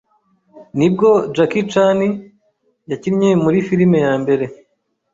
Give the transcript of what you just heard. nibwo Jackie Chanie yakinnye muri film ya mbere,